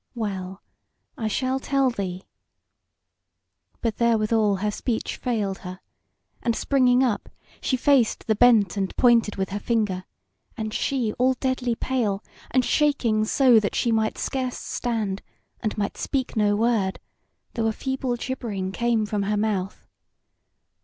Well, I shall tell thee " But therewithal her speech failed her; and, springing up, she faced the bent and pointed with her finger, and she all deadly pale, and shaking so that she might scarce stand, and might speak no word, though a feeble gibbering came from her mouth.